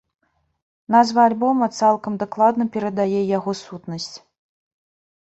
Назва альбома цалкам дакладна перадае яго сутнасць.